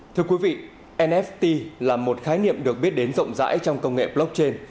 thưa quý vị nft là một khái niệm được biết đến rộng rãi trong công nghệ blockchain